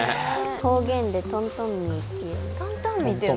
方言でトントンミーって言うの。